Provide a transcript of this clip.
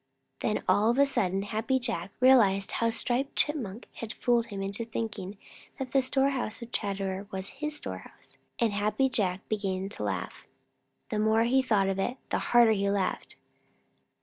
Then all of a sudden Happy Jack realized how Striped Chipmunk had fooled him into thinking that the storehouse of Chatterer was his storehouse, and Happy Jack began to laugh. The more he thought of it, the harder he laughed.